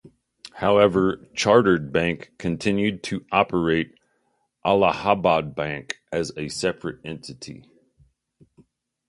However, Chartered Bank continued to operate Allahabad Bank as a separate entity.